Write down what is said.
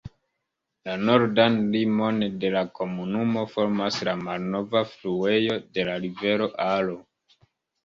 La nordan limon de la komunumo formas la malnova fluejo de la rivero Aro.